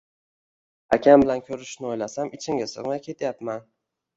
Akam bilan ko`rishishni o`ylasam, ichimga sig`may ketyapman